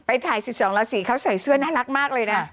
ถ่าย๑๒ราศีเขาใส่เสื้อน่ารักมากเลยนะ